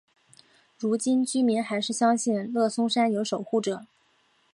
如今居民还是相信乐松山有守护者。